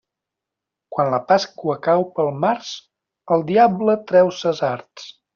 Quan la Pasqua cau pel març, el diable treu ses arts.